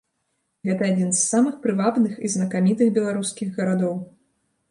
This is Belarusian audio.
Гэта адзін з самых прывабных і знакамітых беларускіх гарадоў.